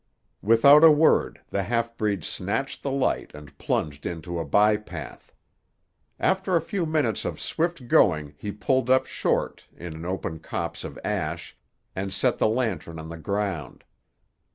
Without a word the half breed snatched the light and plunged into a by path. After a few minutes of swift going he pulled up short, in an open copse of ash, and set the lantern on the ground.